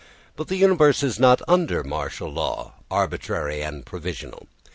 But the universe is not under martial law, arbitrary and provisional.